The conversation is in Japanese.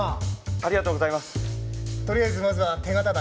ありがとうございます。